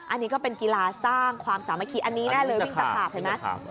อันนี้ก็เป็นกีฬาสร้างความสามัคคีอันนี้แน่เลยวิ่งตะขาบเห็นไหม